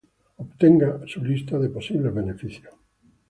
Obtenga su lista de posibles beneficios